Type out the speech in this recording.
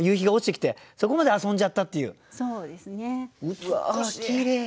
うわきれい。